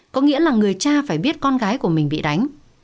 có nghĩa là người cha phải biết con gái của mình bị đánh